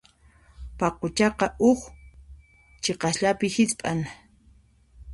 Paquchaqa huk chiqasllapi hisp'an.